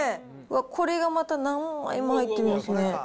これがまた何枚も入っているんですね。